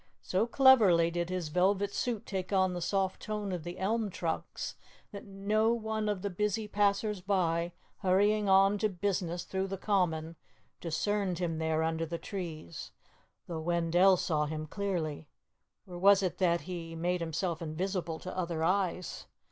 So cleverly did his velvet suit take on the soft tone of the elm trunks, that no one of the busy passersby, hurrying on to business through the Common, discerned him there under the trees, though Wendell saw him clearly. Or was it that he made himself invisible to other eyes?